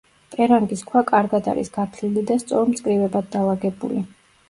პერანგის ქვა კარგად არის გათლილი და სწორ მწკრივებად დალაგებული.